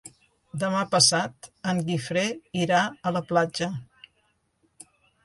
Demà passat en Guifré irà a la platja.